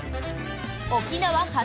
沖縄発！